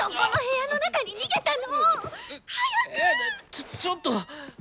ちょちょっと。